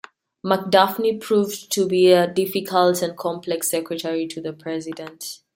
McDunphy proved to be a difficult and complex Secretary to the President.